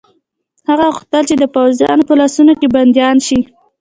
هغه غوښتل چې د پوځیانو په لاسونو کې بندیان شي.